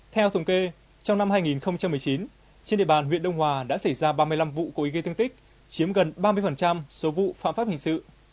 theo thống kê trong năm hai nghìn một mươi chín trên địa bàn huyện đông hòa đã xảy ra ba mươi năm vụ cố ý gây thương tích chiếm gần ba mươi số vụ phạm pháp hình sự